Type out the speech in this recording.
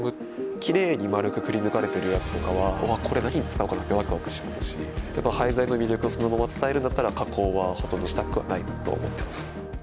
キレイに丸くくりぬかれてるやつとかは「わぁこれ何に使おうかな」ってワクワクしますしやっぱ廃材の魅力をそのまま伝えるんだったら加工はほとんどしたくはないと思ってます。